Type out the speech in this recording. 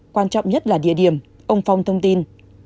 quan trọng nhất là địa điểm ông phong thông tin